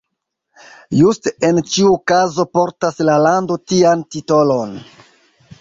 Juste en ĉiu kazo portas la lando tian titolon!